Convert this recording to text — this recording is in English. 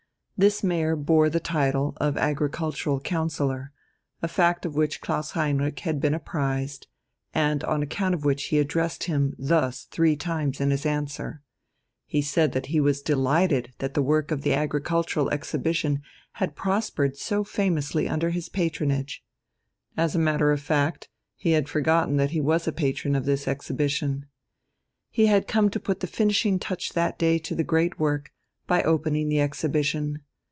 This Mayor bore the title of Agricultural Councillor, a fact of which Klaus Heinrich had been apprised, and on account of which he addressed him thus three times in his answer. He said that he was delighted that the work of the agricultural exhibition had prospered so famously under his patronage. (As a matter of fact he had forgotten that he was patron of this exhibition.) He had come to put the finishing touch that day to the great work, by opening the exhibition.